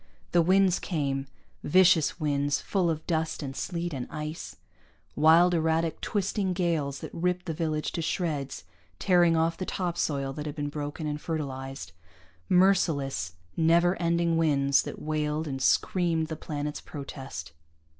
The winds came, vicious winds full of dust and sleet and ice, wild erratic twisting gales that ripped the village to shreds, tearing off the topsoil that had been broken and fertilized merciless, never ending winds that wailed and screamed the planet's protest.